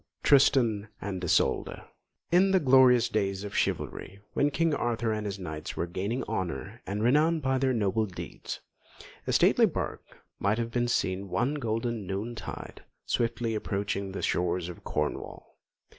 TRISTAN AND ISOLDA In the glorious days of chivalry, when King Arthur and his knights were gaining honour and renown by their noble deeds, a stately barque might have been seen one golden noon tide swiftly approaching the shores of Cornwall.